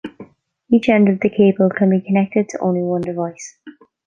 Each end of the cable can be connected to only one device.